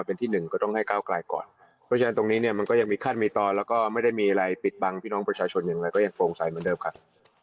เพราะฉะนั้นตรงนี้มันก็ยังมีคัดมีตอนและก็ไม่ได้มีอะไรปิดบั้งพวกน้องประชาชนเราก็ยังโพงใสมั่นเดียวครับ